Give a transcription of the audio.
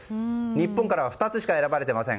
日本からは２つしか選ばれていません。